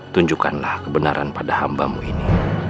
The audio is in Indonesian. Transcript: tunjukkanlah kebenaran pada hambamu ini